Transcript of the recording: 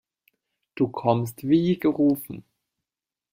Du kommst wie gerufen.